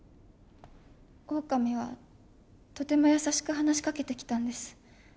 オオカミはとても優しく話しかけてきたんです。